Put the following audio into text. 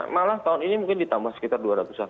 malah tahun ini mungkin ditambah sekitar dua ratus an